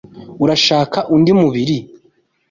Urashaka undi muribi?